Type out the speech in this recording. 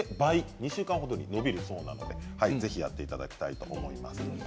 ２週間程に延びるそうなので、ぜひやっていただきたいと思います。